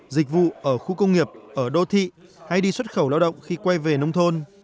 dịch vụ ở khu công nghiệp ở đô thị hay đi xuất khẩu lao động khi quay về nông thôn